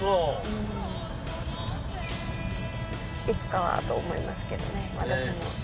いつかはと思いますけどね私も。